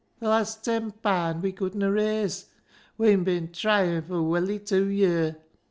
Th' last ten paand we couldna raise ; we'en bin try in' for welly tew ye'r.